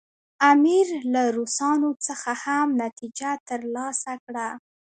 امیر له روسانو څخه هم نتیجه ترلاسه کړه.